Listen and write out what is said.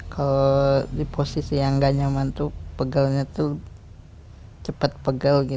kalau di posisi yang tidak nyaman pegelnya cepat pegel